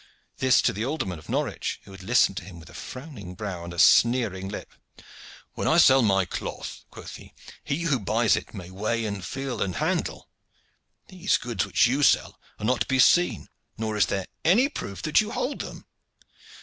This to the alderman of Norwich, who had listened to him with a frowning brow and a sneering lip. "When I sell my cloth," quoth he, "he who buys may weigh and feel and handle. These goods which you sell are not to be seen, nor is there any proof that you hold them.